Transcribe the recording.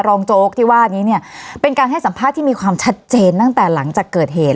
โจ๊กที่ว่านี้เนี่ยเป็นการให้สัมภาษณ์ที่มีความชัดเจนตั้งแต่หลังจากเกิดเหตุ